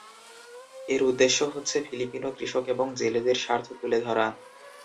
এর উদ্দেশ্য হচ্ছে ফিলিপিনো কৃষক এবং জেলেদের স্বার্থ তুলে ধরা।